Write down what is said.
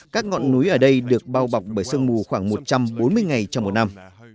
các ngọn núi ở đây được bao bọc bởi sương mù khoảng một trăm bốn mươi ngày trong một năm